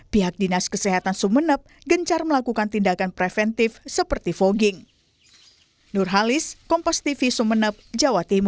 pihak dinas kesehatan sumeneb gencar melakukan tindakan preventif seperti fogging